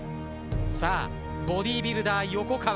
さあボディビルダー横川